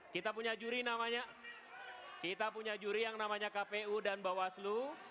kita punya juri namanya kita punya juri yang namanya kpu dan bawaslu